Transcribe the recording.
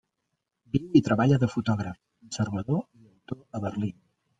Viu i treballa de fotògraf, conservador, i autor a Berlín.